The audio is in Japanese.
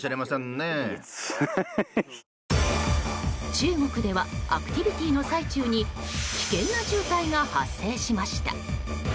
中国ではアクティビティーの最中に危険な渋滞が発生しました。